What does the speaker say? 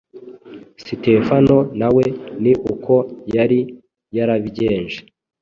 Sitefano na we ni uko yari yarabigenje,